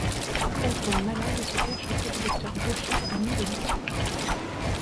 Elle tombe malade et se cache auprès du Dr Joshi à New Delhi.